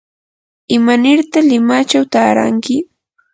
¿imanirta limachaw taaranki?